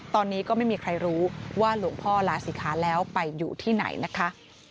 ตอนนี้ก็ไม่มีใครรู้ว่าหลวงพ่อลาศิขาแล้วไปอยู่ที่ไหนนะคะ